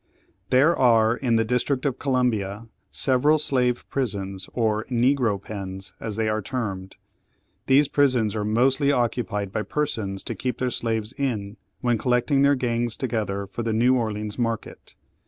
THERE are, in the district of Columbia, several slave prisons, or "Negro pens," as they are termed. These prisons are mostly occupied by persons to keep their slaves in, when collecting their gangs together for the New Orleans market.